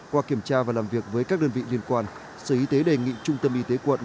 qua kiểm tra và làm việc với các đơn vị liên quan sở y tế đề nghị trung tâm y tế quận